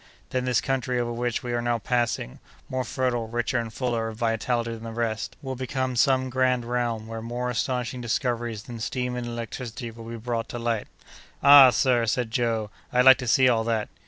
Then this country over which we are now passing, more fertile, richer, and fuller of vitality than the rest, will become some grand realm where more astonishing discoveries than steam and electricity will be brought to light." "Ah! sir," said Joe, "I'd like to see all that."